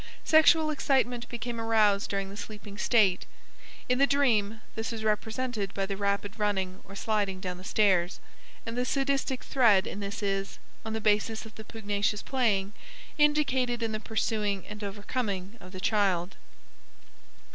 Sexual excitement became aroused during the sleeping state (in the dream this is represented by the rapid running or sliding down the stairs) and the sadistic thread in this is, on the basis of the pugnacious playing, indicated in the pursuing and overcoming of the child.